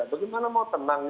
bagaimana mau tenang